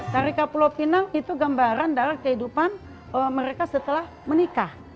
tari kapuloh pinang itu gambaran dari kehidupan mereka setelah menikah